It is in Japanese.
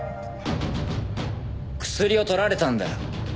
クスリを取られたんだよ。